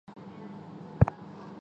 现该城为一个农业中心。